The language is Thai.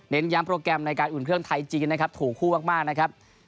ย้ำโปรแกรมในการอุ่นเครื่องไทยจีนนะครับถูกคู่มากนะครับ